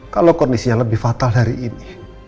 kalau kondisinya lebih fatal hari ini